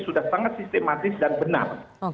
sudah sangat sistematis dan benar